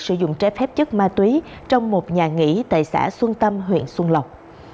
sử dụng trái phép chất ma túy trong một nhà nghỉ tại xã xuân tâm huyện xuân lộc